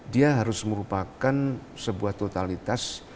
dia harus merupakan sebuah totalitas